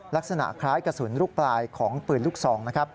ลักษณะคล้ายกระสุนลูกปลายของปืนลูกทรอง